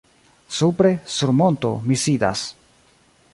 Supre, sur monto, mi sidas.